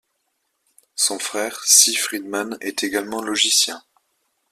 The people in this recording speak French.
Son frère Sy Friedman est également logicien.